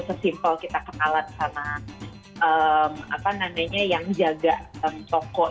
sesimpel kita kenalan sama yang jaga toko